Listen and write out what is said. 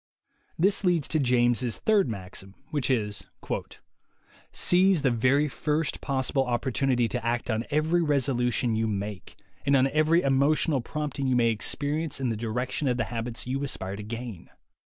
This leads to James' third maxim, which is: "Seise the very first possible opportunity to act on every resolution you make, and on every emotional prompting you may experience in the direction of the habits you aspire to gain.